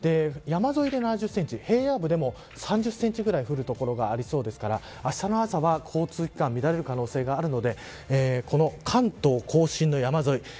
山沿いで７０センチ平野部でも３０センチぐらい降る所がありそうですからあしたの朝は交通機関乱れる可能性があるのでこの関東甲信の山沿い